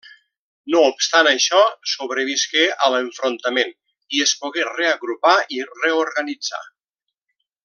No obstant això, sobrevisqué a l'enfrontament i es pogué reagrupar i reorganitzar.